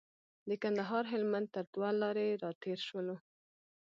د کندهار هلمند تر دوه لارې راتېر شولو.